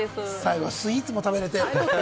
最後スイーツも食べられて。